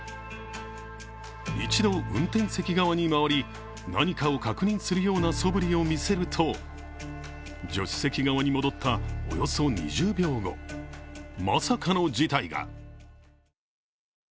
一度、運転席側に回り、何かを確認するようなそぶりを見せると、助手席側に戻ったおよそ２０秒後まさかの事態が。